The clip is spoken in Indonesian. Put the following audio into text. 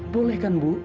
boleh kan bu